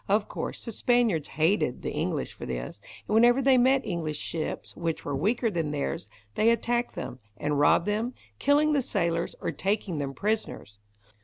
Of course the Spaniards hated the English for this, and whenever they met English ships which were weaker than theirs they attacked them, and robbed them, killing the sailors, or taking them prisoners.